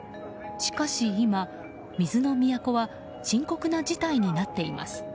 しかし今、水の都は深刻な事態になっています。